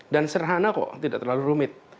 dan serhana kok tidak terlalu rumit